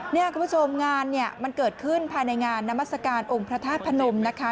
เนี่ยคุณผู้ชมงานเนี่ยมันเกิดขึ้นภายในงานนามัศกาลองค์พระธาตุพนมนะคะ